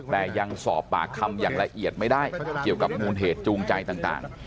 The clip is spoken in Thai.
แต่ยังสอบปากคำอย่างละเอียดไม่ได้เกี่ยวกับมูลเหตุจูงใจต่าง